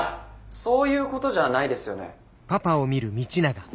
そういうことじゃないですよね。